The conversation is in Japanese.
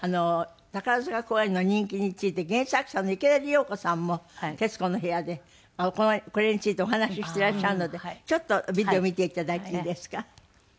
宝塚公演の人気について原作者の池田理代子さんも『徹子の部屋』でこれについてお話ししていらっしゃるのでちょっとビデオ見て頂いていいですか？